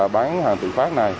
bán hàng tự phát này